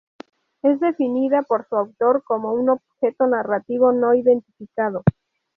Es definida por su autor como un "objeto narrativo no-identificado".